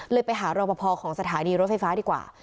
ไปหารอปภของสถานีรถไฟฟ้าดีกว่า